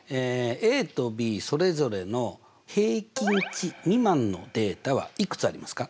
ＡとＢそれぞれの平均値未満のデータはいくつありますか？